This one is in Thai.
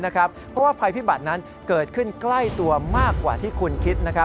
เพราะว่าภัยพิบัตรนั้นเกิดขึ้นใกล้ตัวมากกว่าที่คุณคิด